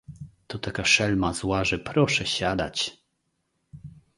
"To taka szelma zła, że proszę siadać!"